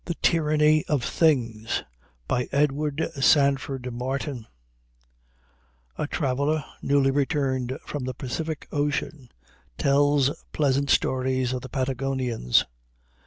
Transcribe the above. ] THE TYRANNY OF THINGS EDWARD SANDFORD MARTIN A traveler newly returned from the Pacific Ocean tells pleasant stories of the Patagonians.